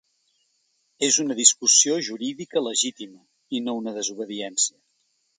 És una discussió jurídica legítima, i no una desobediència.